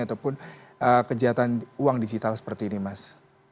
ataupun kejahatan uang digital seperti ini mas